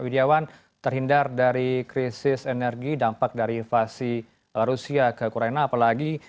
widjawan terhindar dari krisis energi dampak dari invasi rusia ke ukraina apalagi